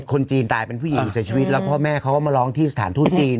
คนจีนตายเป็นผู้หญิงเสียชีวิตแล้วพ่อแม่เขาก็มาร้องที่สถานทูตจีน